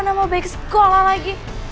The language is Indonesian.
nama baik sekolah lagi